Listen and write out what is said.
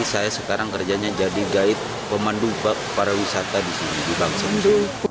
sekarang kerjanya jadi guide pemandu para wisata di bangsering